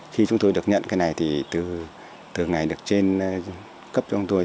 khi chúng tôi được nhận cái này từ ngày được trên cấp cho ông tôi